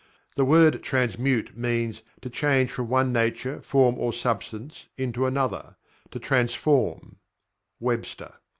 The word "Transmute" means "to change from one nature, form, or substance, into another; to transform" (Webster).